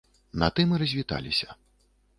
На тым і развіталіся.